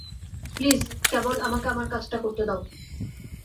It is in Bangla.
প্লিজ, কেবল আমাকে আমার কাজটা করতে দাও।